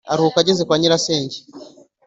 aruhuka ageze kwa nyirasenge,